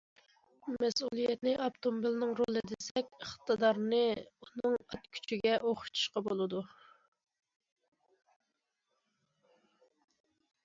مەسئۇلىيەتنى ئاپتوموبىلنىڭ رولى دېسەك، ئىقتىدارنى ئۇنىڭ ئات كۈچىگە ئوخشىتىشقا بولىدۇ.